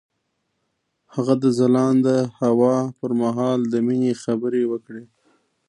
هغه د ځلانده هوا پر مهال د مینې خبرې وکړې.